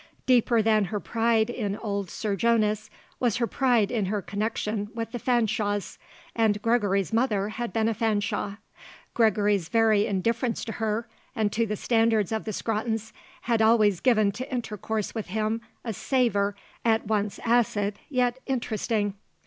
Deeper than her pride in old Sir Jonas was her pride in her connection with the Fanshawes, and Gregory's mother had been a Fanshawe. Gregory's very indifference to her and to the standards of the Scrottons had always given to intercourse with him a savour at once acid yet interesting.